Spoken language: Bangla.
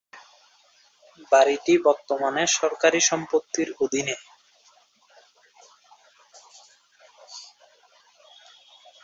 বাড়িটি বর্তমানে সরকারি সম্পত্তির অধীনে।